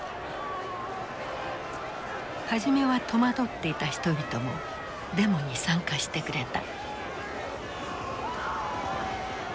初めは戸惑っていた人々もデモに参加してくれた。